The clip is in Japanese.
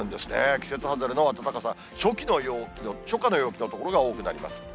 季節外れの暖かさ、初夏の陽気の所が多くなります。